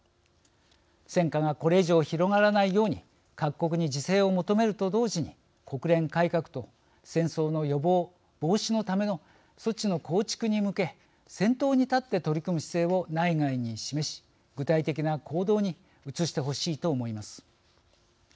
戦火がこれ以上広がらないように各国に自制を求めると同時に国連改革と戦争の予防・防止のためのソチの構築に向け先頭に立って取り組む姿勢を内外に示し、具体的な行動に移してほしいと思います。